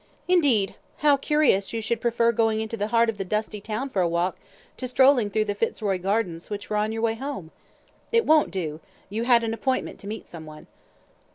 "Indeed! How curious you should prefer going into the heart of the dusty town for a walk to strolling through the Fitzroy Gardens, which were on your way home! It won't do; you had an appointment to meet some one."